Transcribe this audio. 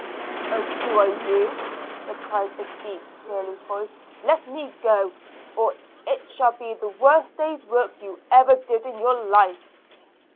'And who are you?' replied a deep surly voice: 'let me go, or it shall be the worst day's work you ever did in your life.'